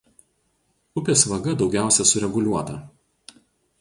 Upės vaga daugiausia sureguliuota.